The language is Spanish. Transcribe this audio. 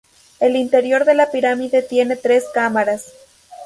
El interior de la pirámide tiene tres cámaras.